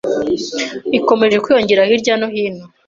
ikomeje kwiyongera hirya no hino,